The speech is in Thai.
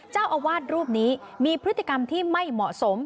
เจ้าอาวาสรูปนี้มีพฤติกรรมที่ไม่เหมาะสม